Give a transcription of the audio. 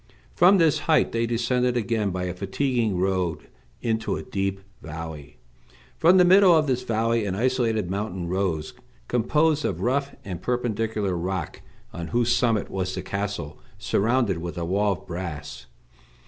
From this height they descended again by a fatiguing road into a deep valley. From the middle of this valley an isolated mountain rose, composed of rough and perpendicular rock, on whose summit was the castle, surrounded with a wall of brass.